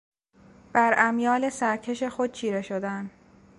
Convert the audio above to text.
بر امیال سرکش خود چیره شدن.